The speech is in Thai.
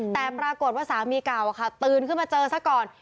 แต่ปรากฏว่าสามีเก่าตื่นขึ้นมาเจอซะก่อน